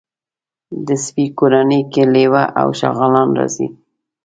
د سپي کورنۍ کې لېوه او شغالان راځي.